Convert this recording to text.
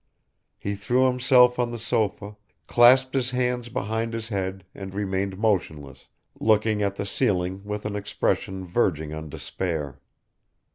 . He threw himself on the sofa, clasped his hands behind his head and remained motionless, looking at the ceiling with an expression verging on despair.